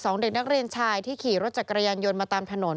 เด็กนักเรียนชายที่ขี่รถจักรยานยนต์มาตามถนน